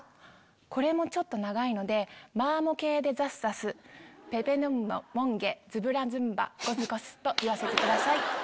これもちょっと長いので「バモケイデザスザスペペヌンマモンゲズブラズンバゴスゴス」と言わせてください。